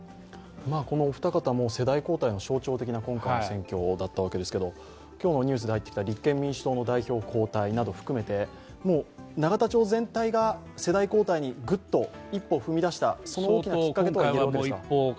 このお二方も世代交代象徴の今回の選挙だったと思いますけど、今日のニュースで入ってきた立憲民主党の代表交代なども含めてもう永田町全体が世代交代に一歩踏み出したきっかけになりましたか？